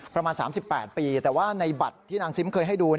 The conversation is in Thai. ประมาณ๓๘ปีแต่ว่าในบัตรที่นางซิมเคยให้ดู